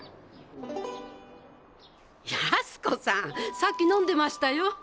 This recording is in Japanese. さっき飲んでましたよ。